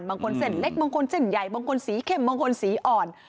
บางคนเส้นเล็กบางคนเส้นใหญ่บางคนสีเข้มบางคนสีอ่อน